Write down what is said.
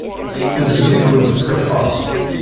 Telzem-iken tkeffart.